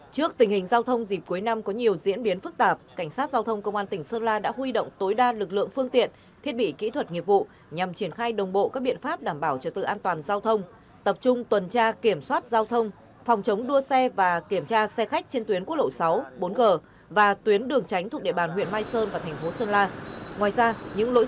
trước tình hình giao thông dịp cuối năm có nhiều diễn biến phức tạp cảnh sát giao thông công an tỉnh sơn la đã huy động tối đa lực lượng phương tiện thiết bị kỹ thuật nghiệp vụ nhằm triển khai đồng bộ các biện pháp đảm bảo trở tự an toàn giao thông tập trung tuần tra kiểm soát giao thông tập trung tuần tra kiểm soát giao thông